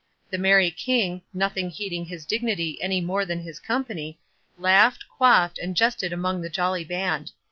The merry King, nothing heeding his dignity any more than his company, laughed, quaffed, and jested among the jolly band.